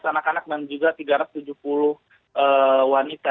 enam ratus empat belas anak anak dan juga tiga ratus tujuh puluh wanita